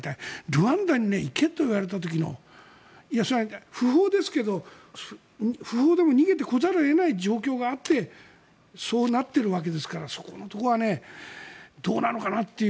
ルワンダに行けと言われた時のそれは不法ですけど不法でも逃げてこざるを得ない状況があってそうなっているわけですからそこのところはどうなのかなと